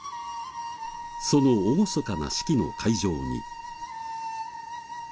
その厳かな式の会場に。